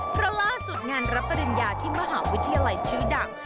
เพราะล่าสุดงานรับปริญญาที่มหาวิทยาลัยชื่อดัง